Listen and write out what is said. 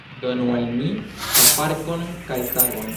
Donu al mi pafarkon kaj sagon.